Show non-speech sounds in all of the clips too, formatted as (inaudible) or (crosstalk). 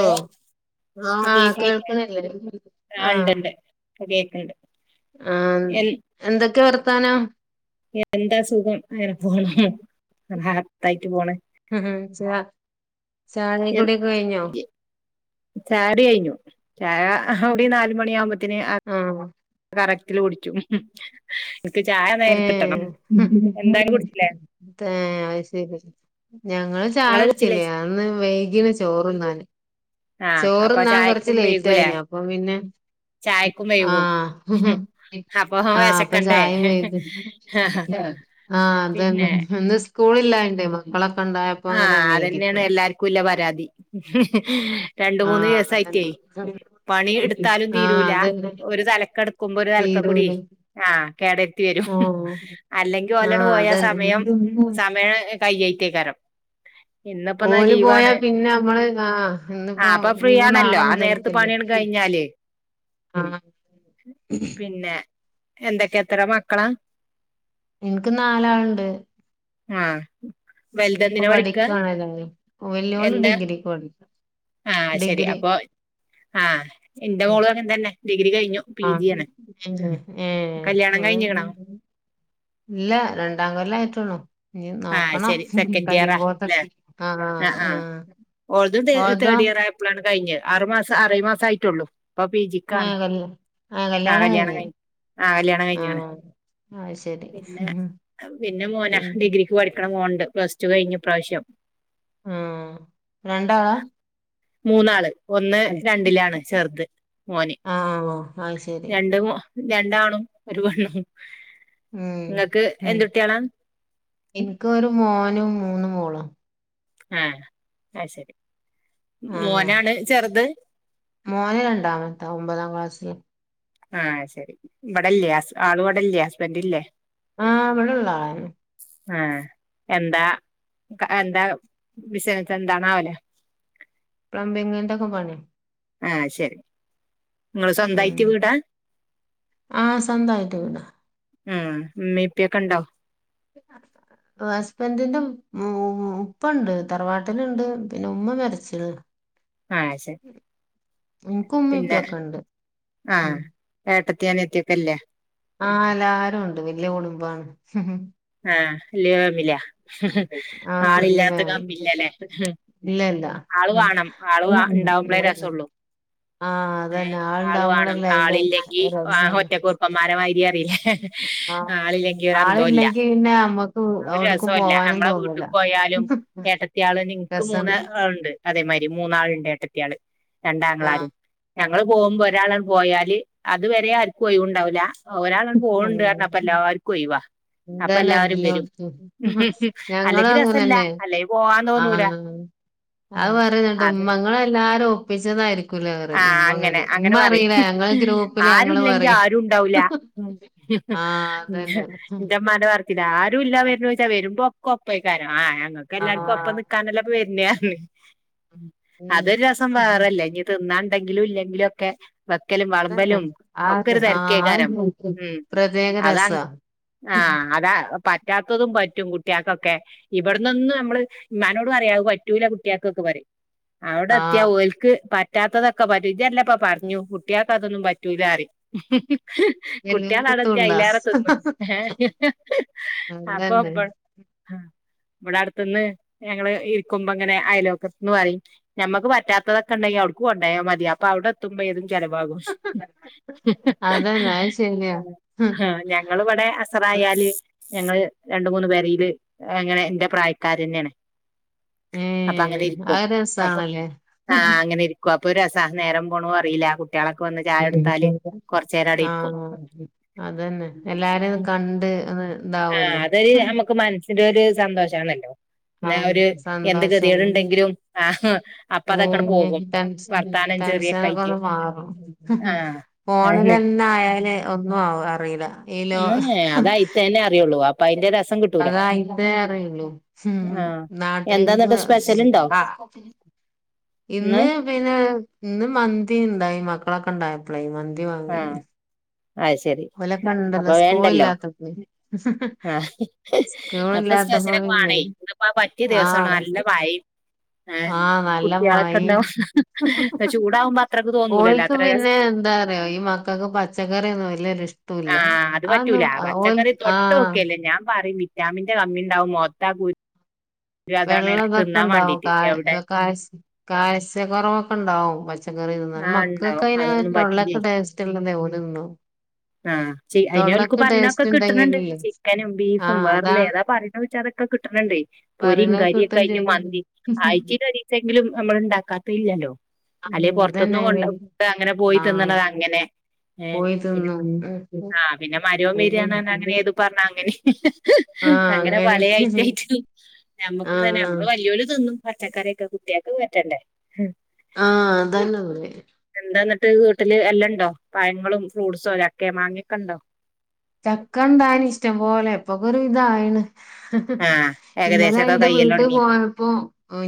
Hello ആഹ ആഹ് കേക്കണില്ലേ കേൾക്കണില്ലേ ആ ഇണ്ടണ്ട് അ കേക്കണ്ട് ആ എന്തൊക്കെയ വർത്താനം എന്താ സുഖം അങ്ങനെ പോണം ഹാത്തായിട്ട് പോണേ ഉം ഉം ചായ കുടികയിഞ്ഞു ചായ ഒരു നാലുമണിയ ആകുമ്പോത്തന് ആഹ് കറക്റ്റൽ കുടിക്കും ആഹ എന്തായാലും കുടിച്ചില്ലേ അത് ശരി ഞങ്ങള് ചായ കുടിച്ചില്ലേ ഇന്ന് വൈകീണ ചോറുണ്ണാന് ആഹ് അപ്പൊ ചോറുണ്ണാൻ കൊറച്ച് ചായക്കും ലേറ്റ് വൈകൂലേ ആയിന അപ്പൊ പിന്നെ ചായക്കും വൈകും ആഹ അപ്പൊ വെശക്കണ്ടേ ആപ്പചായ വ ആഹ അത പിന്നെ ഇന്ന് സ്കൂള ഇില്ലായണ്ട മക്കളെ ആഹ അതന്നെയാണ് എല്ലാർക്കുംല്ല പരാതി രണ്ട മൂന്ന് ആഹ് ദിവസയിറ്റ പണി അതന്നെ എടുത്താലും ആഹ് തീരൂല അതന്നെ ഒരു തലക്ക എടുക്കുമ്പോ ഒരു തലക്ക കൂടി തീരൂല ആ് കേട വരുത്തി വരും ആഹ് അല്ലെങ്കിൽ ഒഓലട് ആഹ് പോയാ സമയം അതന്നെ സമയ കയഴറ്റേക്കരം ഇന്നിപ്പോ എന്ന ഓല് പോയാ ലീവാണ് പിന്നെ നമ്മള് ആഹ് ആ ഇന്നിപ്പോ അപ്പൊ ഫ്രീ ഇനിപ്പോ ആണല്ലോ നാളെ ആ നേരത്തെ മുതൽക്കല്ലേ പണിയാണ് കഴിഞ്ഞ ആഹ് ഞ്ഞാലപിന്നെ എന്തൊക്കെ എത്ര മക്കളാ എനിക്ക് നാലാളുണ്ട് ആ വെ ഇപ്പൊ പഠിക്കുവാണെല്ലാരും വല്ലിയോള് ഡിഗ്രിക്ക് പഠിക്കാ ആ ശരി ഡിഗ്രി അപ്പൊ ആഹ് എന്റെ മോളങ്ങനെ തന്നെ ഡിഗ്രി കഴിഞ്ഞു പി ആ ജി ആണ് ഏ കല്യാണം അവള് കഴിഞ്ഞിക്കണോ ഇല്ല രണ്ടാം കൊല്ല ആയിട്ടോള്ളൂ ഇഞ്ഞി ആഹ് നോക്കണം ശരി സെക്കൻഡ് ഇയറാ ല്ലേ കയിയുമ്പോത്തക്കെ ആ ആഹ് ആഹ് ആ ഓൾത് തേർഡ് തേർഡ് ഇയർ ആയപ്പോഴാണ് കഴിഞ്ഞ ആറ് മാസം ആറേഴ് മാസആയിട്ടുള്ളു ഇ പ്പൊ പി ജി ക്ക് ആണ് ഏഹ് കല്യാ ആഹ് ആ കല്യാണം കഴിഞ്ഞ് കഴിഞ്ഞു ആ കല്യാണം കഴിഞ്ഞണ് ആഹ് അത് ശരി പിന്നെ പിന്നെ മോന പിന്നെ ഡിഗ്രിക്ക് പഠിക്കണ മോണ്ട് പ്ലസ് ടു കഴിഞ്ഞു ഇ പ്രാവശ്യം. ആ രണ്ടാളാ മൂന്നാള്. ഒന്ന് അ രണ്ടിലാണ് ചെർത് മോന് ആഹ് അത് ശരി രണ്ട് രണ്ടാണും ഒരുപെണ്ണും ഉം നിങ്ങക്ക് എന്തു ട്ട്യാളാ. ഇൻക്കോര് മോനും മൂന്നു മോളും. ആ ആ സെരി ആഹ് മോനാണ് ചെർത്. മോന് രണ്ടാമത്തെ ഒമ്പതാം ക്ലാസില്. ആഹ് ശെരി ഇബടല്ലെ അസ് ആള്ബടെ ല്ലേ ഹസ്ബൻഡ് ഇല്ലേ? ആഹ് ഇവിടെള്ള ആളാണ് ആ എന്താ എന്താ ബിസ്നസെന്താണാവലെ? പ്ലംബിങ്ങിന്റെ ഒക്കെ പണി. ആ ശരി. നിങ്ങള് ഉം സ്വന്തായിട്ട് വീടാ ആ സ്വന്തയിട്ട് വീടാ. ഉം മ്മീപ്പൊക്കെ ഇണ്ടോ? ആഹാ അ ഹ. ഹസ്ബന്റിന്റെ ഉ ഉപ്പുണ്ട് തറവാട്ടിലുണ്ട് പിന്നെ ഉമ്മ മരിച്ണ്. ആ ശരി ഇൻക്ക് ഉമ്മീം ഇപ്പീം പിന്നെ ഒക്കെണ്ട് ആ ഏട്ട ത്തി അനിയത്തി ഒക്കെ ഇല്ലേ ആ എല്ലാരുണ്ട് വല്യ കുടുബാണ്. ആ (unintelligible) ആഹ് വല്യ ആളില്ലാത്ത ഫാമിലി കമ്മില്ലല്ലേ ഇല്ല ഇല്ല ആള് ഉം വാണം ആള് ഇണ്ടാകുംബളെ ആഹ് രസള്ളൂ ഏ അതന്നെ ആൾ വാണം ആളുണ്ടാവുമ്പോളല്ലേ അയിന്റെ ആള്ഇല്ലെങ്കി രസം ഒറ്റക്കൂർപ്പന്മാരെ മാരി അറിയില്ലേ ആഹ് ആളില്ലെങ്കി ഒരന്തോല്ല. ആളില്ലെങ്കി പിന്നെ നമ്മക്ക് എവിടക്കും പോവാനും ഒരസോല്ലഅമ്മളെ തോന്നൂല വിട്ട്കോയാലും ഏട്ടത്യാളും ഇൻക് രസാണ് മൂന്ന് ഉണ്ട് അതേമാതിരി മൂന്നാളുണ്ട് ഏട്ടത്തി ആള് ആഹ് രണ്ടാങ്ങളാരും. ഞങ്ങള് പോകുമ്പോ ഒരാളാണ്ണ്ട് പോയാല് അതേവരെ ആര്ക്കു ഒയിവുണ്ടാവുല. ഒരാള് പോണ്ണ്ട് പറഞ്ഞാ അപ്പ എല്ലാർക്കും ഒയിവാ. ഇതന്നെ അപ്പല്ലാരും വരും എല്ലോടത്തും ഞങ്ങളും അല്ലങ്കി രസല്ല അങ്ങനന്നെ അല്ലെങ്കി പോവാൻ തോന്നൂല. ആഹ് അത് ഉം പറിണ്ട് മ്മ ങ്ങളെല്ലാരും ഒപ്പിച്ചതായിരി ആ അങ്ങനെ അങ്ങനെ പറിം ഞങ്ങള് ഗ്രൂപ്പില് ഞങ്ങള് ആരുല്ലെങ്കി പറയും ആരു ണ്ടാവൂല. ഉം ആഹ് അതന്നെ ഇന്റെ മ്മാന്റെ പർച്ചില ആരുല്ലാ വര്നൂച്ചാ വരുമ്പോ കൊപ്പക്കാരം ആഹ് ഞങ്ങക്കെല്ലർക്കും ഒപ്പം നിക്കാനെല്ലെ പ്പോ വര്ണെ പറഞ് അതൊരു രസം ആഹ് വേറെലെ ഇനി തിന്നാണ്ടെങ്കിലും ഇല്ലെങ്കിലും ഒക്കെ. വെക്കലും തന്നെ വളമ്പലും ആ ഒക്കെരു ര- ആ ആ തെരക്കേക്കാരം ഒരു ഉം പ്രത്യേക അതാണ്. രസാ ആ അതാണ് പറ്റാത്തതും പറ്റും കുട്ട്യാകൊക്കെ. ക്കെ ഇവട്ന്നൊന്നും നമ്മള് ഇമ്മാനോടു പറിം പറ്റൂല കുട്ടികൾക് ക്കൊക്കെ പറിം. ആഹ് അവടെത്യാഓൽക്ക് പ റ്റാത്തതൊക്കെ പറ്റും ഇജല്ലപ്പ പറഞ്ഞു കുട്ട്യോൾക്ക് അതൊന്നും പറ്റൂലറിം കുട്ട്യാൾ എല്ലായിടത്തും അവിടെത്തിയ ഉള്ള അയിലേറെ തിന്നും എ അപ്പം അതന്നെ ഇബ ആഹ് ഇവടെ അടുത്തുന്ന് ഞങ്ങളെ ഇരിക്കുമ്പോ ങ്ങനെ അയലോക്കത്തുന്ന് പറിയും ഞമ്മക്ക് പറ്റാത്തതൊക്കെ ഉണ്ടെങ്കി അവിട് ണ്ടായ മതി അപ്പൊ അവിടെയെത്തുമ്പോൾ ഏതും ചെലവാകും. അതന്നെ അത് ശരിയാ ആ ആഹ ഞങ്ങ ഇവിടെ അസറായാല്. ഞങ്ങള് രണ്ട് മൂന്ന് പെരീല് അങ്ങനെ എന്റെ പ്രായക്കാരന്നെണ്. അപ്പൊ അങ്ങനെ ഏഹ് ഇരിക്കും അത് അപ്പൊ രസാണല്ലേ ആ അങ്ങനെ ഇരി അപ്പൊ ഒരു രസാ നേരം പോണതും അറീല. (unintelligible) അവിടെ ഇരിക്കും ആഹ അതന്നെ എല്ലാരെ കണ്ട് ഒന്ന് ആ ഇതാവല്ലോ അതൊരു നമ്മുക്ക് മനസ്സിലൊര് സന്തോഷാണല്ലോ. ല്ലാ ആഹ് ഒരു എന്ത് സന്തോഷം ഗേതികെടുണ്ടെങ്കിലും ആഹ് അപ്പതാക്കണ്ട് പോകും (unintelligible) ആയിട്ട് ടെൻഷനൊക്കൊന്ന് മാറും ആഹ് അതന്നെ ഫോണിലെന്നായാല് ഒന്നും ആഹ് അറിലാ ഏഹ് അതായിത്തന്നെ അറിയൊള്ളൂ വാപ്പായ്ൻ്റെ രസ് അതാ യ്ത്തേ അറിയൊള്ളൂ ആഹ് നാട്ട എന്താ എന്നിട്ട് സ്പെഷ്യൽ ഉണ്ടോ (unintelligible) ഇന്ന് പിന്നെ ഇന്ന് മന്തിണ്ടായി മക്കളക്കണ്ടായപ്പളെ മന്തി വാങ്ങി ആഹ് അത് ശരി വല അപ്പൊ കണ്ടല്ലോ സ്കൂൾ വേണ്ടല്ലോ ഇല്ലാത്തപ്പേ ആഹ് സ്കൂൾ അപ്പൊ ഇല്ലാത്ത അപ്പോ സ്പെഷ്യലൊക്കെ പിന്നെ വാണേ ഇന്നിപ്പോ ആ പറ്റിയ ദിവസാണ് ആഹ് നല്ല മഴ ഏഹ് ആഹ് നല്ല കുട്ടികളൊക്കെ മയിം ഉണ്ടാവും ചൂടാവുമ്പോ അത്രക്ക് തോന്നൂലല്ലോ ഓല്ക്ക് അത്ര പിന്നെ രസം എന്താ അറ്യോ ഈ മക്കക്ക് പച്ചക്കറി ഒന്നും വല്ല്യ രുഷ്ടുല്ല ആഹ് അത് അന്നു പറ്റൂല ഓൽ ആഹ് ജാമിന്റെ കമ്മി ണ്ടാവും മൊത്ത വെള്ള ഇതൊക്കെ ണ്ടാവും കാ എവിടെ കാ കാഴ്ച കൊറവൊക്കെ ണ്ടാവും വ ക്കറിതിന്നാ ആഹ് ഉണ്ടാവും മക്കക്കയിന് അതൊന്നും പറ്റൂലേ തൊള്ളക്ക് ടേസ്റ്റ്ല്ലന്നെ (unintelligible) ആഹ് അയിനോൽക്ക് പറണൊക്കെ കിട്ടണ് ണ്ട് ഉണ്ടെങ്കിലല്ലേ ചിക്കനും ബീഫും ആഹ് വേറല്ല അതാണ് ഏതാ പറേണച്ചാ അ തൊക്കെ കിട്ടണ് ണ്ടേ പൊരിം പറയണ കടിയൊക്കെ കിട്ടും ചെയ്യും ആയിട്ട്മന്തി ആഴ്ചീലൊരീസെങ്കിലും നമ്മള്ണ്ടാക്കാത്ത യ്ല്ലല്ലോ അല്ലേ ഉം പൊറത്തുന്ന് അതന്നെ കൊണ്ട് അങ്ങനെ പോയി ആഹ് തിന്നണത് അങ്ങനെ ഏഹ് പോയി പിന്നെ (unintelligible) (unintelligible) അങ്ങനെ അങ്ങനെ പല ഐറ്റായിട്ട് ഞമ്മക്കുംതന്നെ ആഹ് നമ്മള് വല്ല്യോലു തിന്നും പച്ചക്കറിക്കെ കുട്ട്യാക്ക് പറ്റാൻണ്ടേ ആഹ് അതന്നാ ഉവ്വേ എന്തന്നിട്ട് വീട്ടില് എല്ലാണ്ടോ പഴങ്ങളും ഫ്രൂട്ട്സോ ചക്കേ മാങ്ങേക്കണ്ടോ ചക്കണ്ടായിനിഷ്ടം പോലെ ഇപ്പോക്കെ ഒരു ഇതായിണ് ആഹ് ഇന്നലെ ഏകദേശൊക്കെ ഇന്റെ കയ്യല് വീട്ടി തുടങ്ങിക്കും പോയപ്പം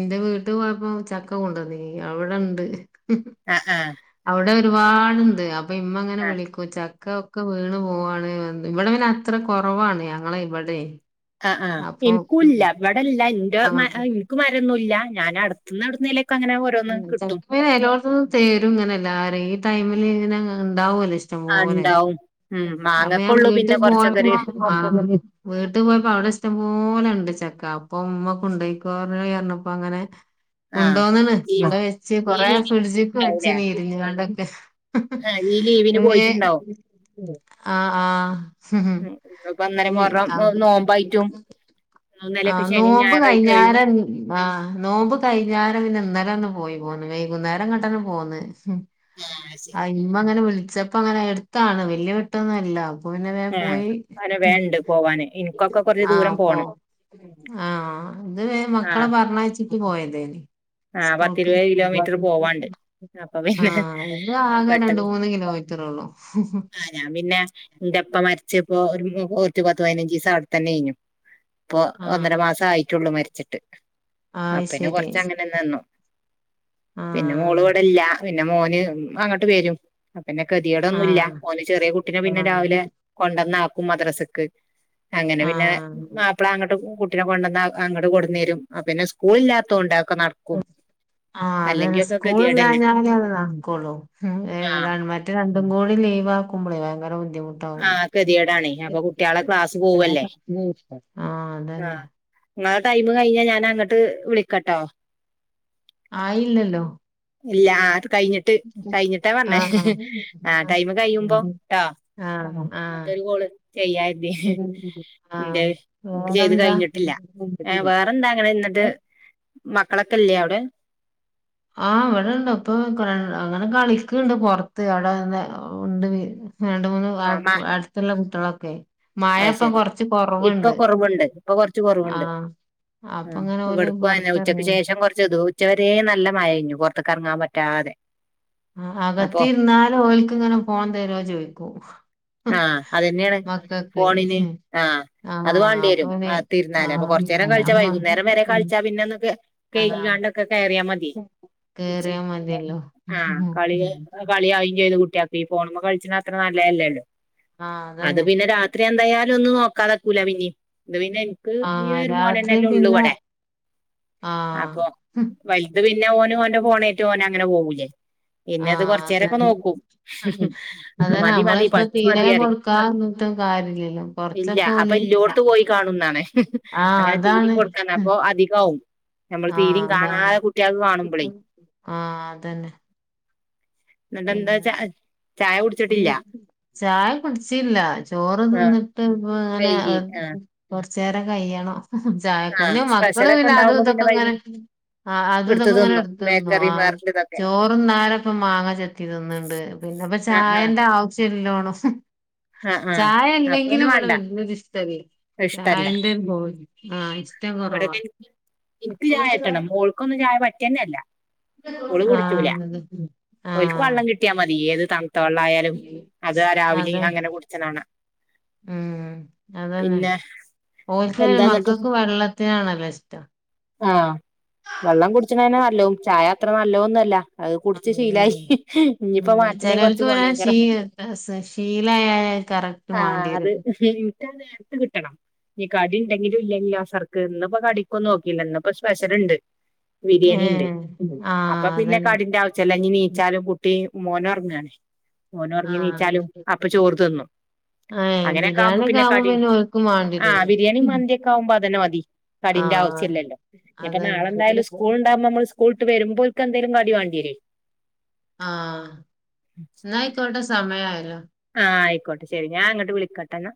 ഇന്റെ വീട്ട് പോയപ്പോ ചക്ക കൊണ്ടന്നീനി അവടെണ്ട് ആഹ് ആഹ് അവടെ ഒരുപാട്ണ്ട് അ അപ്പൊ ഇമ്മ അങ്ങനെ ആഹ് വിളിക്കൂ ചക്ക ഒക്കെ വീണ് പോവാണ് ഇവിടെ പിന്നെ അത്ര കുറവാണ് ഞങ്ങള ഇവിടെ ആഹ് ആഹ് അപ്പൊ ഇനിക്കുംല്ല ബടെ ഇല്ല എന്റെ ആ എനിക്ക് മരൊന്നു ല്ല ഞാന ടുത്തന്ന് ഒടുന്നെ ലൊ ചക്ക പിന്നെ എലോടത്തന്നും തേരും ഇങ്ങനെയല്ല ആര ഈ ടൈമിൽ ഇങ്ങന ഉണ്ടാവൂല്ലേ ഇഷ്ടം ആഹ് പോലെ ഉണ്ടാവും ഉം അപ്പൊ ഞാൻ മാങ്ങക്കൊള്ളൂ പിന്നെ വീട്ടിൽ കൊറച്ചൊക്കെ പോയപ്പോ ഒരു വീട്ടിൽ പോയപ്പോ അവിടെ ഇഷ്ടംപോലെ ഉണ്ട് ചക്ക അപ്പ ഉമ്മ കൊണ്ടയ്ക്കളി അർഞ്ഞപ്പ ങ്ങനെ ആഹ് കുണ്ടോന്നണ് ജീവി ഇവിടെ വെച്ച് ഈ കൊറെേ ലീവിന് ഫ്രിഡ്ജക്ക് വെച്ച് പോവൂലേ ഇരിഞ് കാണ്ടൊക്കെ ആഹ് ഈ ലീവിന് പോയിട്ടുണ്ടാവും ആഹ് ആഹ് ഉം ഇന്നിപ്പോ ഇന്നലെ മുഹറം (unintelligible) നോമ്പായിട്ടും ഇന്നലെയൊക്കെ ആഹ് ശനിയും നോമ്പ് കഴിഞ്ഞ ഞായറായിട്ടും ഒഴിവും രെ ആഹ് നോമ്പ് കഴിഞ്ഞ രെ പിന്നെ ഇന്നലെന്ന് പോയി പോന്ന് വൈകുന്നേരംങ്ങട്ടന്ന പോന്ന് ആഹ് ശരി ഇമ്മങ്ങനെ വി ചപ്പ അങ്ങനെ എടുത്താണ് വല്യയ വിട്ടൊന്നുംല്ല അപ്പൊ പിന്നെ വേ ആഹ് പോയി അങ്ങനെ വേണ്ട് പോവാന് ഇനിക്കൊക്കെ കൊറച്ച് ആഹ് ദൂരം പ്പൊ പോണം ആഹ് ഇത് വേം മക്കളെ ആഹ് പറഞ്ഞഴച്ച് പോയത് ആഹ് സ്കൂൾക്ക് പത്തിരുപത് കിലോമീറ്റർ പോവാണ്ട് അപ്പൊ ആ പിന്നെ ഇത് ആക രണ്ട് പെട്ടെന്ന് മൂന്ന കിലോ ത്ത റൊളളു എന്റെപ്പ മരിച്ച് പ്പൊ ഒരു പത്ത് പതിനഞ്ചിസം അവട തന്നെ യ്നു ഇപ്പൊ ഒന്നര മാസായിട്ടുള്ളൂ മരിച്ചിട്ട് ആ അ ശരി നെന്ന് പിന്നെ മോള് ആഹ് ഇവിടെല്ല പിന്നെ മോന് അങ്ങട്ട്െവരും പിന്നെ കെ ദ്യേ ടൊന്നുല്ല ആഹ് ഓന് ചെറിയ കുട്ടിനെ പിന്നെ ആഹ് രാവിലെ കൊണ്ടന്നാക്കും മദ്റസ്ക്ക് അങ്ങനെ പിന്നെ ആഹ് മാപ്പള അങ്ങട്ട്ടു കുട്ടിനെ കൊണ്ടന്നഅങ്ങട്ട് കൊടുന്നേരും പിന്നെ സ്കൂ ളില്ലാത്തോ ണ്ട തൊക്കെനടക്കും ആ അതന്നെ സ്കൂല് ഇല്ലാഞ്ഞാൽ അത് നടക്കുള്ളു ആഹ് മറ്റേ രണ്ടും കൂടി (unintelligible) ബുദ്ധിമുട്ടാവൂലേ. ആഹ ഗതികേടാണേ അപ്പൊ കുട്ടികളെ ക്ലാസ് പോവല്ലേ ആഹ് ആഹ അതന്നെ നിങ്ങള് ടൈമ കഴിഞ്ഞാ ഞാൻ അങ്ങോട്ട് വിളിക്കട്ടോ ആയില്ലല്ലോ ഇല്ല ആ കഴിഞ്ഞിട്ട് കഴിഞ്ഞിട്ടാ പറഞ്ഞേ ആഹ് ആ ടൈമ കഴിയുമ്പോ ആഹ് ട്ടോ ആഹ് ആ മറ്റൊരു കാൾ ചെയ്യാരുന്നു ആഹ് എ ചെയ്ത് വേറെന്താ? കഴിഞ്ഞിട്ടില്ല വേറെന്താ അങ്ങനെ എന്നിട്ട് മക്കളൊക്കെ ല്ലേ അവിടെ ആഹ് അവിടെണ്ട ഇപ്പൊ അങ്ങനെ കളിക്കണ്ട് പുറത്ത് അവിടെന്നെ ഉണ്ട് രണ്ട് മൂന്ന് ആഹ് മാ അടുത്തുള്ള കുട്ടികളൊക്കെ മായപ്പൊ കൊറച്ച് കൊറവുണ്ട് അപ്പൊ കൊറച്ച് കുറവുണ്ട് ആഹ് ആ അപ്പൊ ഇങ്ങനെ ഓല് ഇവിടുക്കും ഉച്ചയ്ക്ക് പൊറത്തിറങ്ങി ശേഷം കൊറച്ച ഇത് ഉച്ച വരെേ നല്ല മഴ കഴിഞ്ഞു പുറത്തക്ക ഇറങ്ങാൻ പറ്റും നിർത്താതെ ആ അകത്തി ഇരുന്നാലും ഓൽക്ക് ഇങ്ങനെ ഫോൺ തരുവോ ചോദിക്കും ആഹ അതന്നെയാണ് മക്കൾക്ക് ഫോണിന് ആഹ ആഹ് അത് വേണ്ടി അപ്പൊ വരും പിന്നെ ആ തിരുന്നാല അപ്പ ആഹ് കൊറച്ചു നേരം കളിച്ചാ അമ്മ വൈകുന്നേരം വരെ കളിച്ചാ പിന്നെന്നൊ കഴ ആഹ് (unintelligible) കേറിയാ മതിയല്ലോ ആ കളി കളി (unintelligible) കുട്ടി ഈ ഫോണിൽ കളിച്ചണ അത്ര നല്ലേല്ലോ ആഹ അതന്നെ എന്തായാലും ഒന്നും നോക്കാതക്കൂല പിന്നെ ഇത് പിന്നെ എനിക്ക് ഈ ആഹ് ഒരു രാത്രി മോനല്ലേ ഉള്ളു പിന്നെ ഇവിടെ ആഹ് അപ്പൊ വലുത് പിന്നെ ഓന് ഓൻ ഫോണേറ്റ് ഓന അങ്ങനെ പോവൂല്ലേ പിന്നെ അത് ആഹ് കൊറച്ച നേരൊക്കെ നോക്കൂ അതന്നെ മതി മതി പഠിച്ചു മതിയായി ത്തെ കാര്യം കൊറച്ചൊക്കെ പോല ഇല്ലോടത്ത് പോയി കാണുന്നാണ് ആഹ അങ്ങനെ തീരിം അതാണ് കൊടുക്കാന്ന് അപ്പൊ അധികാവും നമ്മൾ ആഹ തീരിം അതാണ് കാണാതെ കുട്ടികൾക്ക് കാണുമ്പളേ ആഹ അതന്നെ എന്നിട്ട് എന്താ ച ചായ പി കുടിച്ചിട്ടില്ല ചായ കുടിച്ചില്ല ചോറ് ഇടെ ആ തിന്നിട്ട് ഇപ്പ ഇങ്ങനെ വൈകി ആ കൊറച്ചു നേരം കഴിയണം ആ ചായക്കണ്യ മക്കള് സ്പെഷ്യലൊക്കെ പിന്നെ അത് ഉണ്ടാവുമ്പോ പിന്നെ ഇതൊക്കങ്ങന വൈകു ആ അത് എടുത്ത് ഇതൊക്കെ ഇങ്ങനെ തിന്നും എടുത്ത തന്നു ആ ബേക്കറിയും വേറെള്ളതൊക്കെ ചോറുംന്നര ഇപ്പ മാങ്ങ ചെത്തി ണ്ട് പിന്നെപ്പ ആ ആ ചായന്റെ ആവശ്യം ഇല്ലോണം ആ ആ ചായ അപ്പൊ അല്ലെങ്കിലും പിന്നെ ഇവിടെ വേണ്ട വല്യ ഇഷ്ടമല്ലേ ഇഷ്ടല്ല ചായേന്റെ പോയി അഹ് ഇഷ്ടം കുറവാ ഇവിടൊക്കെ എനിക്ക് എനിക്ക് ചായ കിട്ടണം മോൾക്ക്ന്നും ചായ പറ്റിയന്നെയ അല്ല ഓള് കുടിച്ചൂല ആഹ് അതെ ഓൾക്ക് ആഹ് വെള്ളം കിട്ടിയാ മതി ഏത് തള്ളായാലും അത് ആ അത രാവിലെയ അങ്ങനെ കുടിച്ചതാണ് ഉം അതന്നെ പോഓസ എന്താന്നിട്ട് മക്കൾക്ക് വെള്ളത്തിനാണല്ലോ ഇഷ്ടം ആഹ വെള്ളം കുടിച്ചണന്നെ നല്ലോ ചായ അത്ര നല്ലോന്നല്ല അത് കുടിച്ച് ശീലായി ഉം ഇനിയിപ്പോ ഉം. മാറ്റണെ ചിലർക്ക് കൊറച്ച് പിന്നെ ഭയങ്കര ശീ ശീലായ കറക്റ്റ് ആഹ മാണ്ടി വരും അത്ട്ട നേരത്ത് കിട്ടണം ഈ കടി ഉണ്ടെങ്കിലും ഇല്ലെങ്കോ സർക്ക് ഇന്നപ്പോ കടിക്കൊും നോക്കില്ല ഇപ്പോ സ്പെഷലുണ്ട് ബിരിയാണി ഉണ്ട് ഏഹ് അപ്പൊ ആഹ് പിന്നെ അതന്നെ കടിന്റെ ആവശ്യംമല്ലഞ്ഞ് നീച്ചാലും കുട്ടി മോനൊറങ്ങണേ മോനൊറങ്ങി ആഹ് നീറ്റാലും അപ്പ ചോറ് തിന്നു ഏഹ് അങ്ങനെയൊക്കെ ആവുമ്പോ ബിരിയാണി ഒക്കെ പിന്നെ കടി ഓൽക്കും ആ മാണ്ടിരല്ലോ ബിരിയാണി മന്തിയൊക്കെ ആവുമ്പോ അതന്നെ മതി കടിന്റെ ആഹ് ആവശ്യമല്ലല്ലോ ഇപ്പൊ അതന്നെ നാളെന്തായാലും സ്കൂൾ ഉണ്ടാവകുമ്പോ നമ്മൾ സ്കൂൾ വരുമ്പോ എന്തേലും കടി വേണ്ടിരേ ആഹ് എന്നയ്ക്കോട്ടെ സമയായലോ ആ ആയിക്കോട്ടെ ശെരി ഞാൻ അങ്ങട്ട് വിളിക്കട്ടെന്നാ